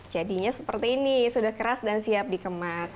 jadinya seperti ini sudah keras dan siap dikemas